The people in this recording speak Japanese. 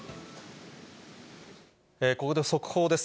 ここで速報です。